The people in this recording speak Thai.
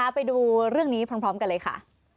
ไปดูเรื่องนี้พร้อมกันเลยค่ะ